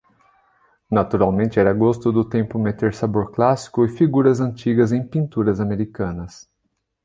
Naturalmente era gosto do tempo meter sabor clássico e figuras antigas em pinturas americanas.